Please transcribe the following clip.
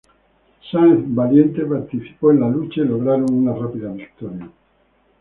Sáenz Valiente participó en la lucha, y lograron una rápida victoria.